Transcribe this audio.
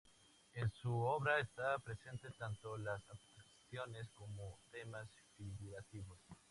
En su obra está presente tanto la abstracción como temas figurativos.